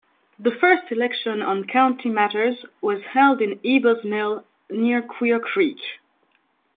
The first election on county matters was held in Eby's mill near Queer Creek.